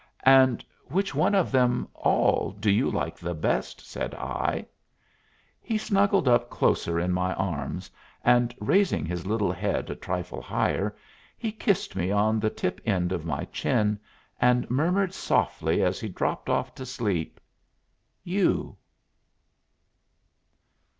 "And which one of them all do you like the best?" said I. He snuggled up closer in my arms, and, raising his little head a trifle higher, he kissed me on the tip end of my chin, and murmured softly as he dropped off to sleep, "You!"